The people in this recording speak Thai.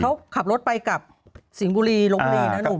เขาขับรถไปกับสิงห์บุรีลบบุรีนะหนุ่ม